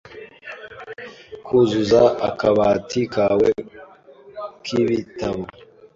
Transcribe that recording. kuzuza akabati kawe k’ibitabo